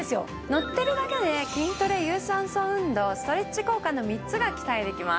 のってるだけで筋トレ有酸素運動ストレッチ効果の３つが期待できます。